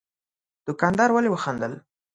دوکاندار ولي وخندل؟